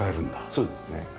そうですね。